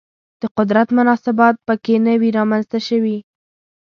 د قدرت مناسبات په کې نه وي رامنځته شوي